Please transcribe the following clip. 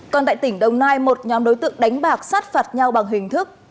còn tại tỉnh đồng nai một nhóm đối tượng đánh bạc sát phạt nhau bằng hình thức